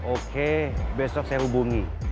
oke besok saya hubungi